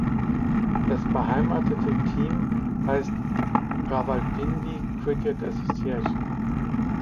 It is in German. Das beheimatete Team heißt "Rawalpindi Cricket Association".